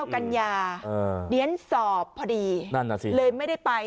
๑๙กัญญาเดี๋ยนสอบพอดีเลยไม่ได้ไป